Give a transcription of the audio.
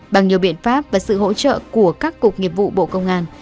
bằng nhiều biện pháp và sự hỗ trợ của các cục nghiệp vụ bộ công an